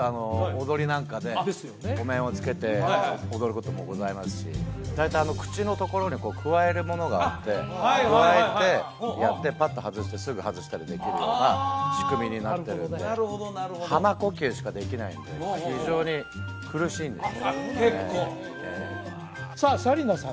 踊りなんかでお面をつけて踊ることもございますし大体口のところにくわえるものがあってくわえてやってパッと外してすぐ外したりできるような仕組みになってるんでなるほどなるほどあっ結構うわさあ紗理奈さん